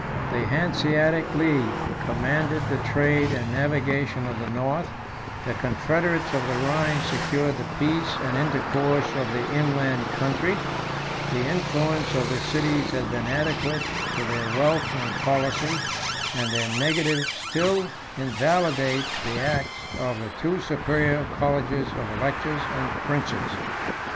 The Hanseatic League commanded the trade and navigation of the north: the confederates of the Rhine secured the peace and intercourse of the inland country; the influence of the cities has been adequate to their wealth and policy, and their negative still invalidates the acts of the two superior colleges of electors and princes.